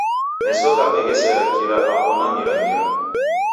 Meso ghape ghesera kira aw'ona miramira.